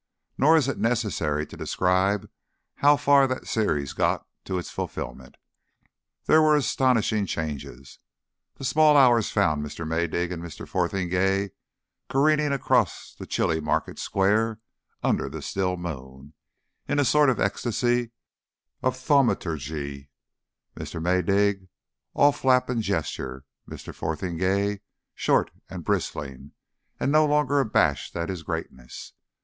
Nor is it necessary to describe how far that series got to its fulfilment. There were astonishing changes. The small hours found Mr. Maydig and Mr. Fotheringay careering across the chilly market square under the still moon, in a sort of ecstasy of thaumaturgy, Mr. Maydig all flap and gesture, Mr. Fotheringay short and bristling, and no longer abashed at his greatness.